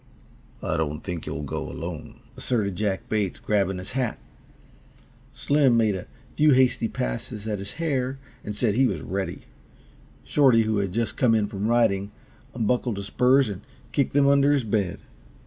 "I don't think you'll go alone," asserted Jack Bates, grabbing his hat. Slim made a few hasty passes at his hair and said he was ready. Shorty, who had just come in from riding, unbuckled his spurs and kicked them under his bed.